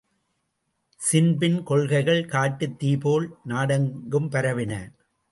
ஸின்பின் கொள்கைகள் காட்டுத் தீப்போல் நாடெங்கும் பரவின.